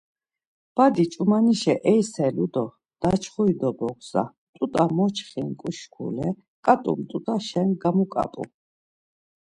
Badi ç̌umanişe eiselu do Daçxuri dobogza, mt̆ut̆a moçxinǩu şkule ǩat̆u mt̆ut̆aşen gamuǩap̌u.